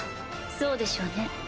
そうでしょうね。